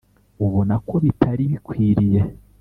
ubona ko bitari bikwiriye